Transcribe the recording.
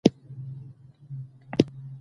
باسواده میندې ماشومان له بدو کارونو منع کوي.